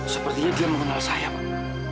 sepertinya dia mengenal saya pak